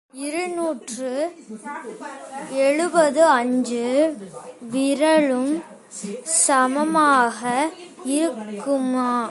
இருநூற்று எழுபது அஞ்சு விரலும் சமமாக இருக்குமா?